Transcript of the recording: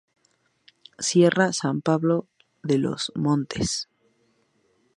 Sierra: San Pablo de los Montes.